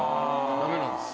ダメなんです。